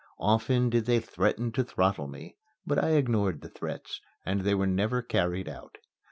Often did they threaten to throttle me; but I ignored the threats, and they were never carried out.